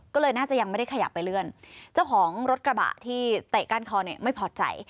ก็เลยน่าจะยังไม่ได้ขยับไปเลื่อนเจ้าของรถกระบะที่เตะก้านคอเนี่ยไม่พอใจ